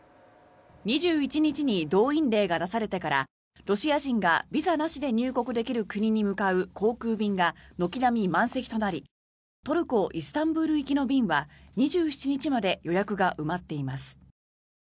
２１日に動員令が出されてからロシア人がビザなしで入国できる国に向かう航空便が軒並み満席となりトルコ・イスタンブール行きの便は２７日まで予約が埋まっています。